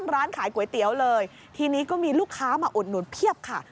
ร้านขายก๋วยเตี๋ยวเลยทีนี้ก็มีลูกค้ามาอุดหนุนเพียบค่ะ